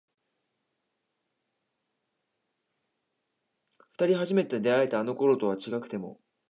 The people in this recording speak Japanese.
二人初めて出会えたあの頃とは違くても